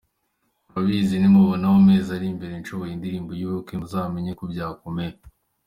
Urabizi , nimubona mu mezi ari imbere nsohoye indirimbo y’ubukwe, muzamenye ko byakomeye.